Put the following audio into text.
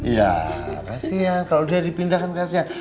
iya kasian kalau dia dipindahkan kasian